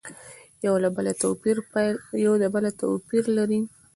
یو له بله تو پیر لري